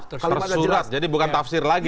tersurat jadi bukan tafsir lagi